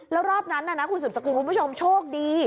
แล้วรอบนั้นน่ะนะคุณสืบสกุลคุณผู้ชมโชคดี